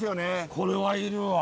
これはいるわ。